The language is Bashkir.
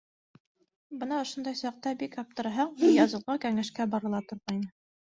Бына ошондай саҡта бик аптыраһаң, Ныязғолға кәңәшкә барыла торғайны.